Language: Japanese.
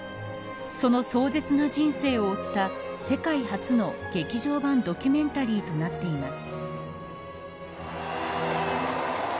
その壮絶な人生を追った世界初の劇場版ドキュメンタリーとなっています。